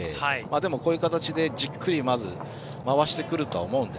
でも、こういう形でじっくり回してくるとは思うので。